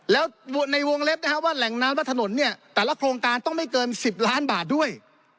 แล้วในวงเล็บนะฮะว่าแหล่งน้ำและถนนเนี่ยแต่ละโครงการต้องไม่เกิน๑๐ล้านบาทด้วย